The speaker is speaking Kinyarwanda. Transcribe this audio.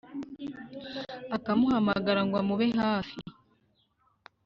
akamuhamagara ngo amube hafi,